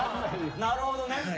なるほどね。